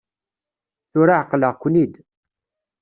Tura εeqleɣ-ken-id.